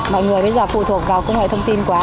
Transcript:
mọi người bây giờ phụ thuộc vào công nghệ thông tin quá